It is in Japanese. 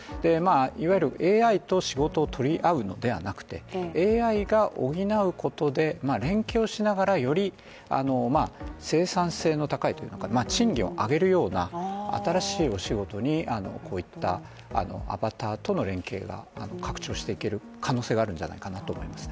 いわゆるＡＩと仕事を取り合うのではなくてＡＩが補うことで連携をしながらより生産性の高い、賃金を上げるような新しいお仕事にこういったアバターとの連携が拡張していける可能性があるんじゃないかなと思います。